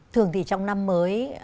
thường thì trong năm mới